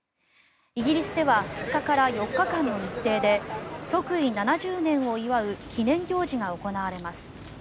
イギリスでは２日から４日間の日程で即位７０年を祝う記念行事が行われます。